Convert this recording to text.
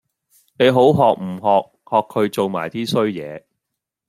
你好學唔學！學佢做埋 D 衰野